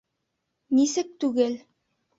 Нисек түгел?